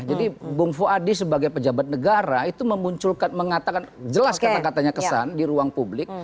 jadi bung fuadi sebagai pejabat negara itu memunculkan mengatakan jelas kata katanya kesan di ruang publik